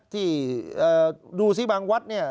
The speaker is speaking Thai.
ที่ดูสิบางวัดเนี่ย